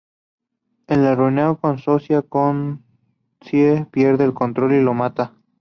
En la reunión con Socia, Kenzie pierde el control y lo mata.